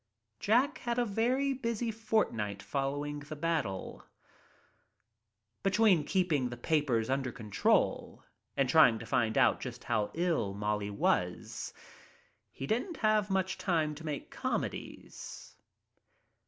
Jack had a very busy fortnight following the bat tle. Between keeping the papers under control and trying to find out just how ill Molly was, he didn't have much time to make comedies.